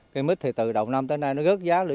cây mít thì từ đầu năm tới nay nó rớt giá